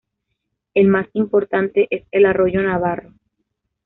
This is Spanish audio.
El más importante es el Arroyo Navarro.